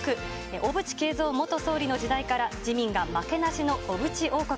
小渕恵三元総理の時代から、自民が負けなしの小渕王国。